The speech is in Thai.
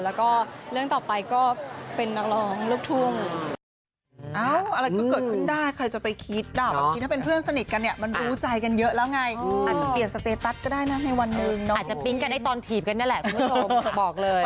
แล้วก็เรื่องต่อไปก็เป็นนักร้องลูกทุ่ง